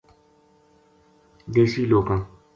دیسی لوکاں